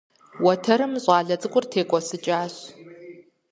Уэтэрым щӀалэ цӀыкӀур текӀуэсыкӀащ.